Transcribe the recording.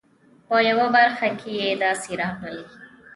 په یوه برخه کې یې داسې راغلي.